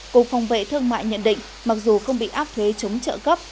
cục phòng vệ thương mại nhận định mặc dù không bị áp thuế chống trợ cấp